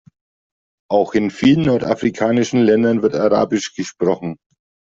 Auch in vielen nordafrikanischen Ländern wird arabisch gesprochen.